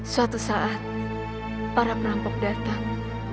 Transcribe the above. suatu saat para perampok datang